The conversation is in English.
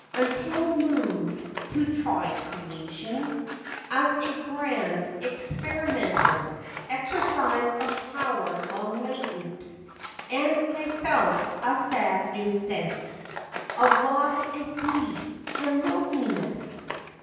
Until moved to try creation, As a grand experimental Exercise'of power long latent; And I felt a sad new sense of Loss, and grief, and loneliness!